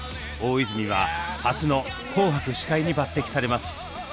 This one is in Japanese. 大泉は初の「紅白」司会に抜てきされます。